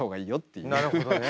なるほどね。